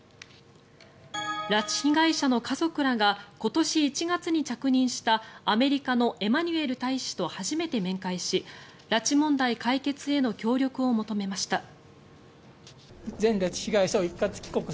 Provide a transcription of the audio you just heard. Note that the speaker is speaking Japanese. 拉致被害者の家族らが今年１月に着任したアメリカのエマニュエル大使と初めて面会し拉致問題解決への協力を求めました。